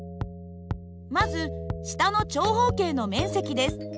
まず下の長方形の面積です。